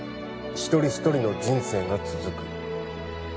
「一人一人の人生が続く」